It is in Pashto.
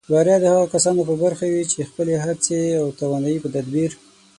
بریا د هغو کسانو په برخه وي چې خپلې هڅې او توانایۍ په تدبیر